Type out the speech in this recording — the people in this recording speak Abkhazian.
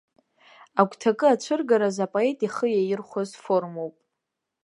Агәҭакы ацәыргараз апоет ихы иаирхәаз формоуп.